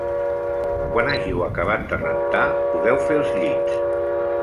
Quan hàgiu acabat de rentar, podeu fer els llits